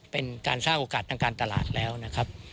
เป็นการสร้างโอกาสทางการตลาดแล้วนะครับ